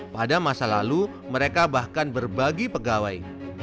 pada masa lalu mereka bahkan berbagi pegawai